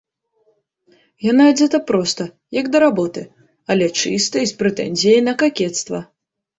Яна адзета проста, як да работы, але чыста і з прэтэнзіяй на какецтва.